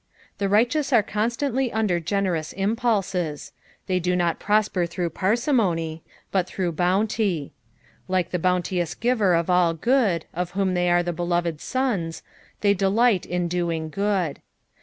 The righteous are constantly under Eenerous impulses ; they do not prosper through parsimony, but through bounty, ike the bounteous giver of all good, of whom they are the beloved sons, they delight in doing good.